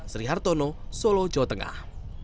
sri hartono solo jawa tengah